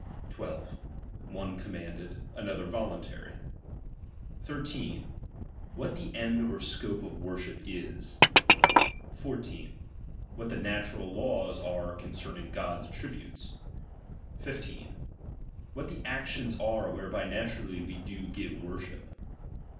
12. One commanded, ^^^■other voluntary. IS. What the end or scope of worship ^^^S, 1 ■!■ What the natural laws are concerning God's attributes. 15. What the actions are whereby naturally we do give wor ship.